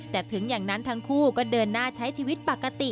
แต่ถึงอย่างนั้นทั้งคู่ก็เดินหน้าใช้ชีวิตปกติ